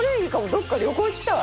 どこか旅行行きたい。